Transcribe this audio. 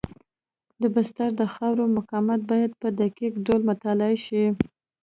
د بستر د خاورې مقاومت باید په دقیق ډول مطالعه شي